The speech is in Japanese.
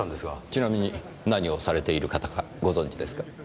ちなみに何をされている方かご存じですか？